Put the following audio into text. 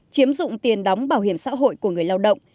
chiếm dụng tiền đóng bảo hiểm xã hội của người lao động